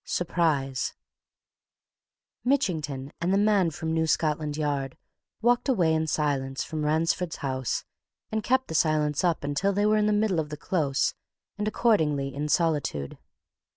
SURPRISE Mitchington and the man from New Scotland Yard walked away in silence from Ransford's house and kept the silence up until they were in the middle of the Close and accordingly in solitude.